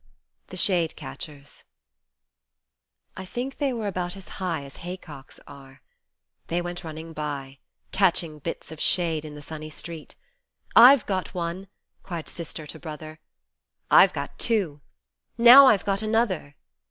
5 THE SHADE CATCHERS I THINK they were about as high As haycocks are. They went running by Catching bits of shade in the sunny street :" I've got one," cried sister to brother. " I've got two." " Now I've got another."